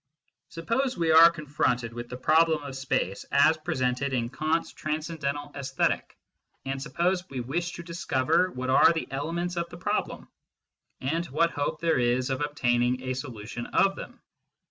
Suppose we are confronted with the problem of space as presented in H4 MYSTICISM AND LOGIC Kant s Transcendental ^Esthetic, and suppose we wish to discover what are the elements of the problem and what hope there is of obtaining a solution of them.